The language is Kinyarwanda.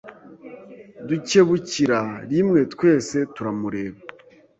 dukebukira rimwe twese turamureba